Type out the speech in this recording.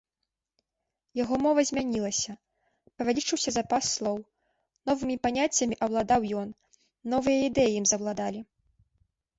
Яго мова змянілася, павялічыўся запас слоў, новымі паняццямі аўладаў ён, новыя ідэі ім заўладалі.